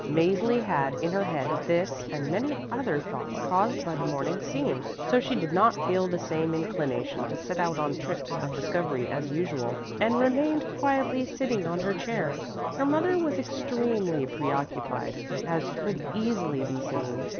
Mäzli had in her head this and many other thoughts caused by the morning's scene, so she did not feel the same inclination to set out on trips of discovery as usual, and remained quietly sitting on her chair. Her mother was extremely preoccupied, as could easily be seen.